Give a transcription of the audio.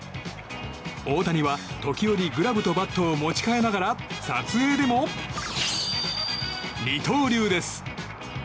大谷は時折グラブとバットを持ち替えながら撮影でも二刀流です。